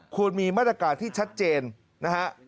ควรมีมาตรการที่ชัดเจนนะฮะ